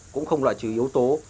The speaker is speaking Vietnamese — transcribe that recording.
cũng không loại trừ yếu tố